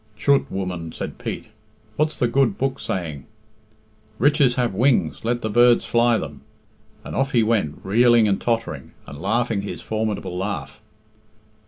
"Chut! woman," said Pete, "what's the good book say ing? 'Riches have wings;' let the birds fly then," and off he went, reeling and tottering, and laughing his formidable laugh.